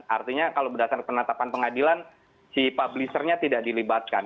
artinya kalau berdasarkan penetapan pengadilan si publishernya tidak dilibatkan